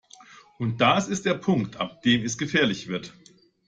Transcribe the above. Und das ist der Punkt, ab dem es gefährlich wird.